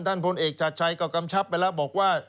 ท่านพลเอกจัดใช้ก็กำชับไปแล้วบอกว่า